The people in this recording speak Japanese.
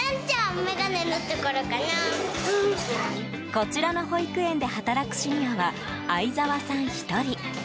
こちらの保育園で働くシニアは相澤さん１人。